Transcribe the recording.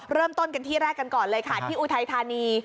เริ่มต้นกันที่แรกกันก่อนเลยค่ะที่อุทัยธานี